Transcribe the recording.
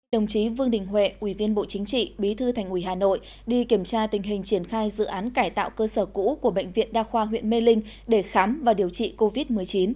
đồng chí vương đình huệ ủy viên bộ chính trị bí thư thành ủy hà nội đi kiểm tra tình hình triển khai dự án cải tạo cơ sở cũ của bệnh viện đa khoa huyện mê linh để khám và điều trị covid một mươi chín